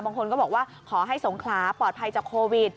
บางคนก็บอกว่าขอให้สงขลาปลอดภัยจากโควิด